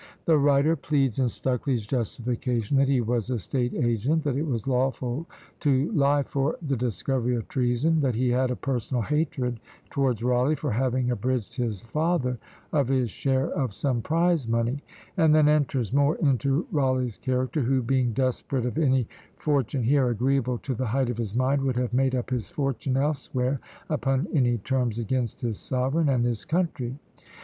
The writer pleads in Stucley's justification, that he was a state agent; that it was lawful to lie for the discovery of treason; that he had a personal hatred towards Rawleigh, for having abridged his father of his share of some prize money; and then enters more into Rawleigh's character, who "being desperate of any fortune here, agreeable to the height of his mind, would have made up his fortune elsewhere, upon any terms against his sovereign and his country.